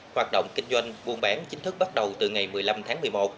hoạt động kinh doanh buôn bán chính thức bắt đầu từ ngày một mươi năm tháng một mươi một